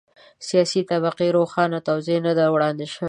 سیاسي طبقې روښانه توضیح نه ده وړاندې شوې.